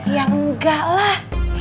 ya enggak lah